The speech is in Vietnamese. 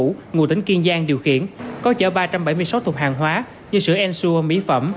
thành phố tỉnh kiên giang điều khiển có chở ba trăm bảy mươi sáu thùng hàng hóa như sữa ensure mỹ phẩm